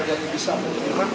jadi kita agak